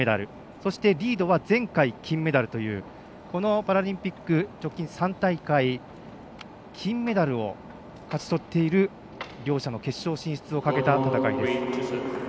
そして、リードは前回、金メダルというこのパラリンピック直近３大会金メダルを勝ち取っている両者の決勝進出をかけた戦いです。